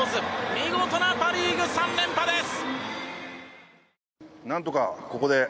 見事なパ・リーグ３連覇です。